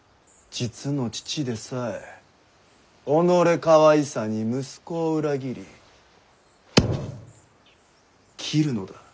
実の父でさえ己かわいさに息子を裏切り斬るのだ。